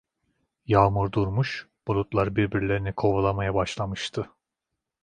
Yağmur durmuş, bulutlar birbirlerini kovalamaya başlamıştı.